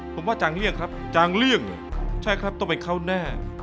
ผมว่าจางเลี่ยงครับจางเลี่ยงใช่ครับต้องไปเข้าแน่